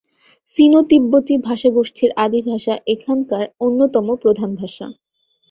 সিনো-তিব্বতি ভাষা গোষ্ঠীর আদি ভাষা এখানকার অন্যতম প্রধান ভাষা।